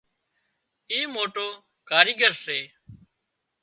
اي موٽو ڪاريڳر سي